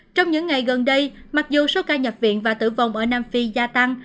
trong những ngày gần đây mặc dù số ca nhập viện và tử vong ở nam phi gia tăng